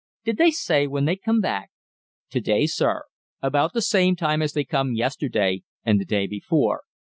"Did they say when they'd come back?" "To day, sir, about the same time as they come yesterday and the day before."